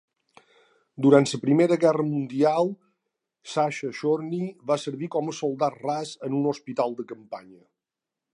Durant la Primera Guerra Mundial, Sasha Chorny va servir com a soldat ras en un hospital de campanya.